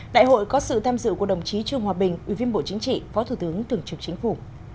đại hội có sự tham dự của đồng chí trương hòa bình ủy viên bộ chính trị phó thủ tướng thường trực chính phủ